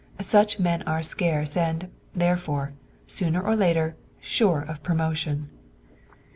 Such men are scarce and, therefore, sooner or later, sure of promotion.